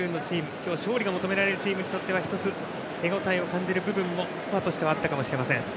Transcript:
今日は勝利が求められるチームにとっては１つ手応えを感じる部分もスコアとしてはあったかもしれません。